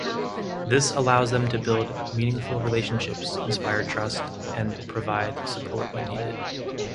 This allows them to build meaningful relationships, inspire trust, and provide support when needed.